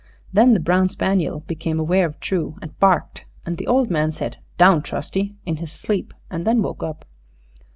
Then the brown spaniel became aware of True, and barked, and the old man said, "Down, Trusty!" in his sleep, and then woke up.